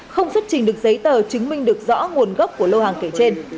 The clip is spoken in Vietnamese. không xuất trình được giấy tờ chứng minh được rõ nguồn gốc của lô hàng kể trên